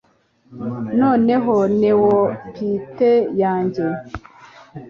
noneho neophte yanjye